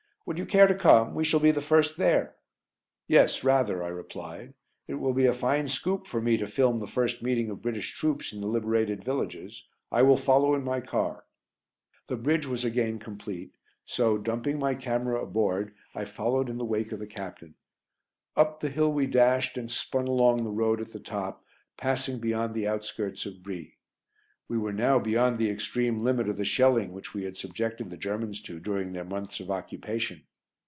Would you care to come? We shall be the first there." "Yes, rather," I replied. "It will be a fine scoop for me to film the first meeting of British troops in the liberated villages. I will follow in my car." [Illustration: FILMING OUR GUNS IN ACTION DURING THE GREAT GERMAN RETREAT TO ST. QUENTIN. MARCH, 1917] The bridge was again complete, so, dumping my camera aboard, I followed in the wake of the captain. Up the hill we dashed and spun along the road at the top, passing beyond the outskirts of Brie. We were now beyond the extreme limit of the shelling which we had subjected the Germans to during their months of occupation.